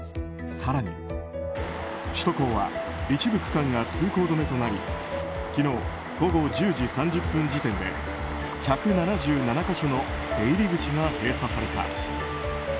更に、首都高は一部区間が通行止めとなり昨日午後１０時３０分時点で１７７か所の出入り口が閉鎖された。